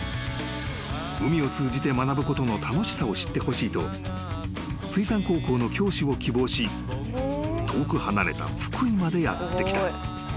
［海を通じて学ぶことの楽しさを知ってほしいと水産高校の教師を希望し遠く離れた福井までやって来た］